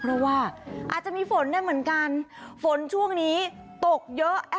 เพราะว่าอาจจะมีฝนได้เหมือนกันฝนช่วงนี้ตกเยอะ